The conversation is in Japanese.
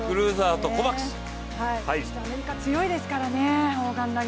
アメリカ強いですからね砲丸投。